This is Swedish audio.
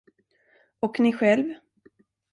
Och ni själv?